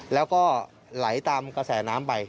แล้วก็ไหลตามกระแสน้ำไป